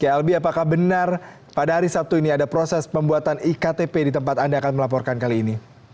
albi apakah benar pada hari sabtu ini ada proses pembuatan iktp di tempat anda akan melaporkan kali ini